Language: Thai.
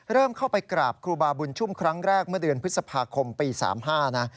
เริ่มเข้าไปกราบครูบาบุญชุ่มครั้งแรกเมื่อเดือนพฤษภาคมปี๓๕นะ